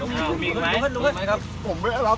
กลับมาเถอะครับ